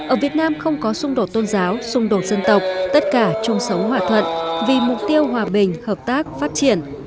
ở việt nam không có xung đột tôn giáo xung đột dân tộc tất cả chung sống hòa thuận vì mục tiêu hòa bình hợp tác phát triển